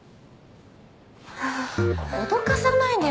脅かさないでよ。